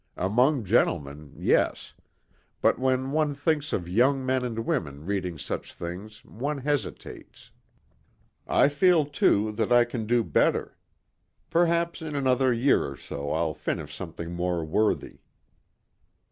Among gentlemen, yes. But when one thinks of young men and women reading such things one hesitates. I feel too that I can do better. Perhaps in another year or so I'll finish something more worthy."